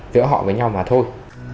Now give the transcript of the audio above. giữa họ với nhau mà thôi